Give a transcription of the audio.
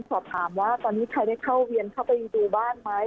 สอบถามว่าตอนนี้ใครได้เข้าเวียนเข้าไปยังดูบ้านไหม